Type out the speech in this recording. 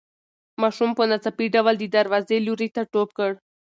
ماشوم په ناڅاپي ډول د دروازې لوري ته ټوپ کړ.